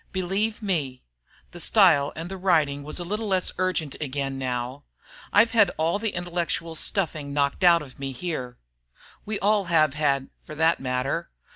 Believe me (the style and the writing was a little less urgent again now), I've had all the intellectual stuffing knocked out of me here. We all have had, for that matter.